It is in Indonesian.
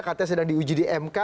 katanya sedang diuji di mk